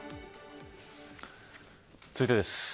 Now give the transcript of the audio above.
続いてです。